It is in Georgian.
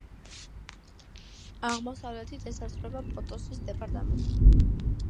აღმოსავლეთით ესაზღვრება პოტოსის დეპარტამენტი.